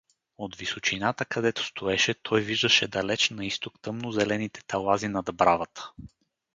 От височината, където стоеше, той виждаше далеч на изток тъмнозелените талази на Дъбравата.